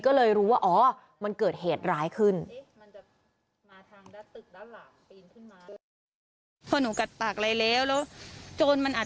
ก็เลยรู้ว่าอ๋อมันเกิดเหตุร้ายขึ้น